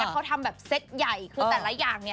เขาทำแบบเซ็ตใหญ่คือแต่ละอย่างเนี่ย